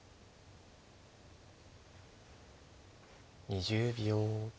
２０秒。